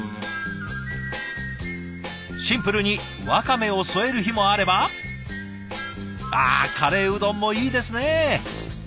シンプルにわかめを添える日もあればあカレーうどんもいいですね。